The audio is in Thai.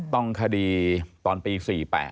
ต้องคดีตอนปี๔๘